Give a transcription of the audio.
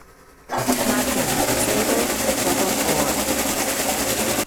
Mantling: Sable, doubled Or.